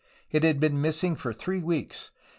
It had been missing for three weeks.